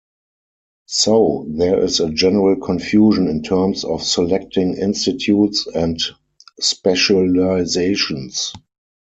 So there is a general confusion in terms of selecting institutes and specializations.